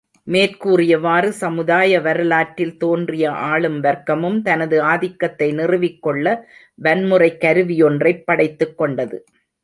மேற்கூறியவாறு சமுதாய வரலாற்றில் தோன்றிய ஆளும் வர்க்கமும், தனது ஆதிக்கத்தை நிறுவிக் கொள்ள வன்முறைக் கருவியொன்றைப் படைத்துக் கொண்டது.